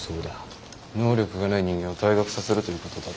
能力がない人間を退学させるということだろ。